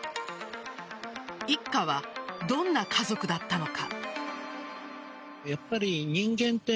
一家は、どんな家族だったのか。